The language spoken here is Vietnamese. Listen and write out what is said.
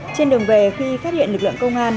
trên đường về khi phát hiện lực lượng công an